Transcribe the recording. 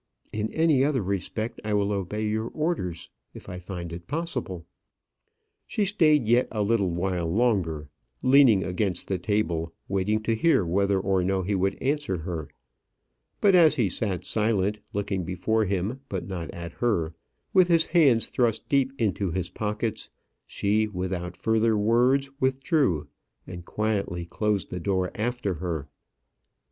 In any other respect I will obey your orders if I find it possible." She stayed yet a little while longer, leaning against the table, waiting to hear whether or no he would answer her; but as he sat silent, looking before him, but not at her, with his hands thrust deep into his pockets, she without further words withdrew, and quietly closed the door after her.